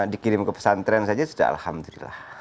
dikirim ke pesantren saja sudah alhamdulillah